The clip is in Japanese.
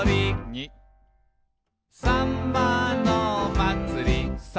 「さんまのまつり」「さん」